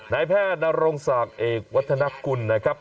เบ้อต้นแม่นโรงศาติเหกร์วัฒนคุณนะครับ